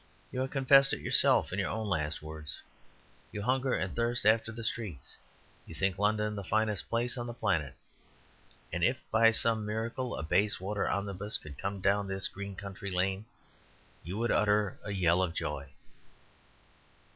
You have confessed it yourself in your own last words. You hunger and thirst after the streets; you think London the finest place on the planet. And if by some miracle a Bayswater omnibus could come down this green country lane you would utter a yell of joy."